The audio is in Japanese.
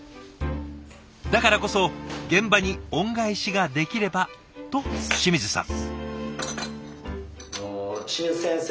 だからこそ「現場に恩返しができれば」と清水さん。